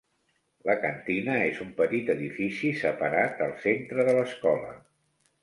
La cantina és un petit edifici separat al centre de l'escola.